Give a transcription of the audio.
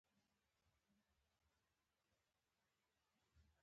کیسه یو ماشوم په لوست معتادوي.